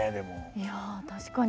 いや確かに。